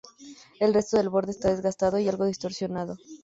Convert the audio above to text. El resto del borde está desgastado y algo distorsionado.